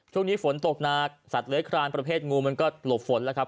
ช่วงนี้ฝนตกหนักสัตว์เลื้อยคลานประเภทงูมันก็หลบฝนแล้วครับ